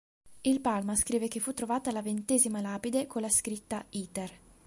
Il Palma scrive che fu trovata la "ventesima lapide" con la scritta: "Iter.